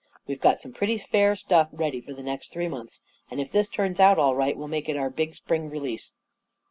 We've got soifie pretty fair stuff ready for the next three months, ajid if this turns out all right, we'll make it our Dig spring release.